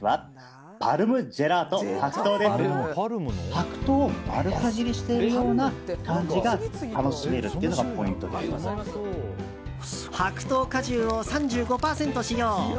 白桃を丸かじりしているような感じが楽しめるのが白桃果汁を３５％使用。